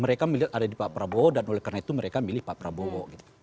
mereka melihat ada di pak prabowo dan oleh karena itu mereka milih pak prabowo